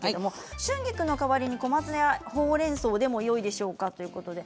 春菊の代わりに小松菜やほうれんそうでもよいでしょうか。